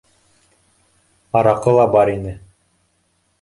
— Араҡы ла бар ине